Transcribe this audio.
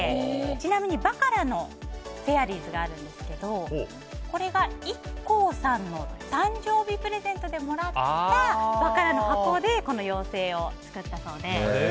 ちなみにバカラの「フェアリーズ」があるんですけどこれがＩＫＫＯさんの誕生日プレゼントでもらったバカラの箱でこの妖精を作ったそうで。